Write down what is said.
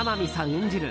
演じる